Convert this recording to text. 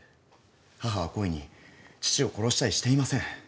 義母は故意に義父を殺したりしていません。